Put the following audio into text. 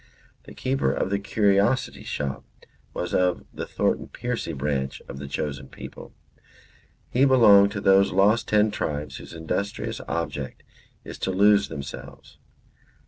The keeper of the curiosity shop was of the Thornton Percy branch of the chosen people; he belonged to those Lost Ten Tribes whose industrious object is to lose themselves.